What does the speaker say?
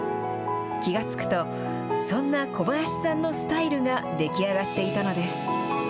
気が付くと、そんな小林さんのスタイルが出来上がっていたのです。